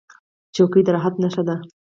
چوکۍ د راحت نښه ده.